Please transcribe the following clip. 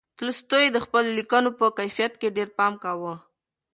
تولستوی د خپلو لیکنو په کیفیت کې ډېر پام کاوه.